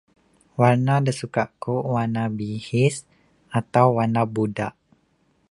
Warna da suk kuk warna bihis atau warna budak.